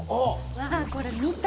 わあこれ見た。